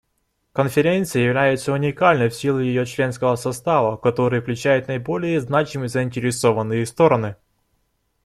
Конференция является уникальной в силу ее членского состава, который включает наиболее значимые заинтересованные стороны.